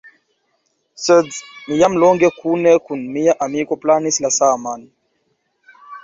Sed mi jam longe kune kun mia amiko planis la saman.